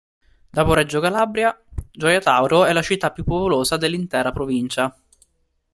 Dopo Reggio Calabria, Gioia Tauro è la città più popolosa dell'intera Provincia.